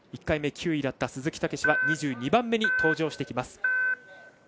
１回目９位だった鈴木猛史は２２番目に登場してきます。